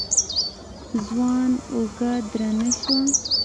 ځوان اوږه درنه شوه.